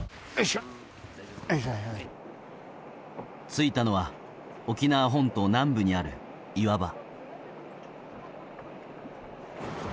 ついたのは沖縄本島南部にある岩場。